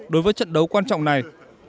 đối với trận đấu quan trọng này